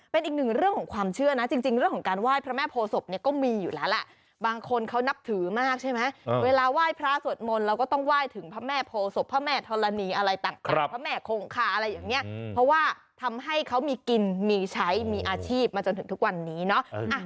เป็นอีกหนึ่งเรื่องของความเชื่อนะจริงเรื่องของการไหว้พระแม่โพศพเนี่ยก็มีอยู่แล้วแหละบางคนเขานับถือมากใช่ไหมเวลาไหว้พระสวดมนต์เราก็ต้องไหว้ถึงพระแม่โพศพพระแม่ธรณีอะไรต่างพระแม่คงคาอะไรอย่างนี้เพราะว่าทำให้เขามีกินมีใช้มีอาชีพมาจนถึงทุกวันนี้เนาะ